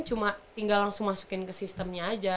cuma tinggal langsung masukin ke sistemnya aja